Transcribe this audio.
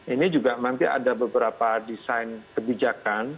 ini juga nanti ada beberapa desain kebijakan